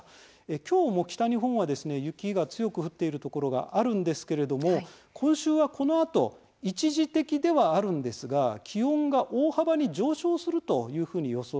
今日も北日本は雪が強く降っているところがあるんですけれども今週は、このあと一時的ではあるんですが気温が大幅に上昇するというふうに予想されています。